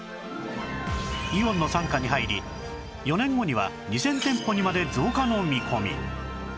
イオンの傘下に入り４年後には２０００店舗にまで増加の見込み